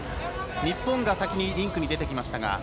日本が先にリンクに出てきました。